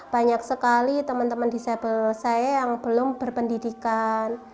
banyak sekali teman teman disabel saya yang belum berpendidikan